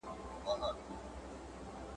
تر خلوته به دي درسي د رندانو آوازونه ..